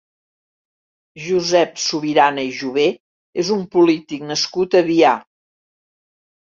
Josep Subirana i Jové és un polític nascut a Avià.